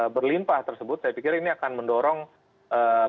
berlimpah tersebut saya pikir ini akan mendorong ee